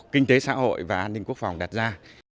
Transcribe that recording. kinh tế xã hội và an ninh quốc phòng đặt ra